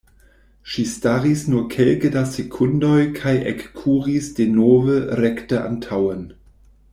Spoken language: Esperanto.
Ŝi staris nur kelke da sekundoj kaj ekkuris denove rekte antaŭen.